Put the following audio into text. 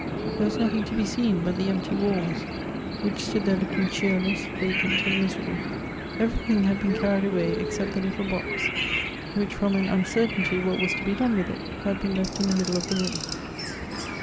There was nothing to be seen but the empty walls, which stood there looking cbeerless, vacant, and miser able. Everything had been carried away except the little box, which from an uncertainty what was to be done with it, had been left in the middle of the room.